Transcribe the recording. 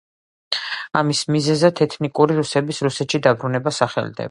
ამის მიზეზად ეთნიკური რუსების რუსეთში დაბრუნება სახელდება.